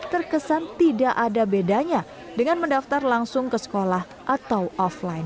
terkesan tidak ada bedanya dengan mendaftar langsung ke sekolah atau offline